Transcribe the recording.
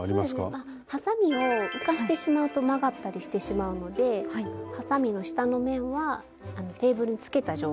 はさみを浮かしてしまうと曲がったりしてしまうのではさみの下の面はテーブルにつけた状態で。